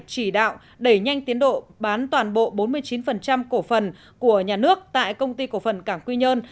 chỉ đạo đẩy nhanh tiến độ bán toàn bộ bốn mươi chín cổ phần của nhà nước tại công ty cổ phần cảng quy nhơn